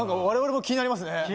「我々も気になりますね」